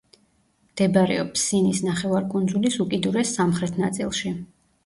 მდებარეობს სინის ნახევარკუნძულის უკიდურეს სამხრეთ ნაწილში.